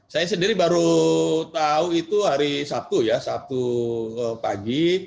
saya sendiri baru tahu itu hari sabtu ya sabtu pagi